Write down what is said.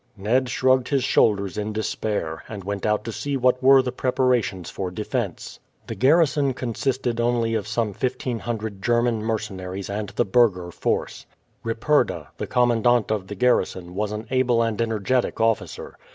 Ned shrugged his shoulders in despair, and went out to see what were the preparations for defence. The garrison consisted only of some fifteen hundred German mercenaries and the burgher force. Ripperda, the commandant of the garrison, was an able and energetic officer.